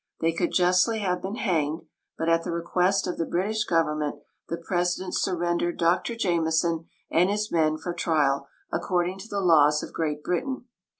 They could justly have been hanged, but, at the request of the British govern ment, the president surrendered Dr Jameson and his men for trial according to the laws of Great Britain.